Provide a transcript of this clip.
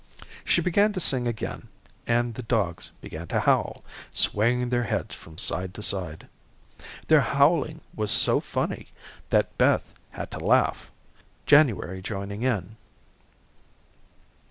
She began to sing again, and the dogs began to howl, swaying their heads from side to side. Their howling was so funny that Beth had to laugh, January joining in.